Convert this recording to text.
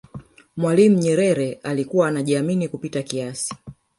mwalimu nyerere alikuwa anajiamini kupita kiasi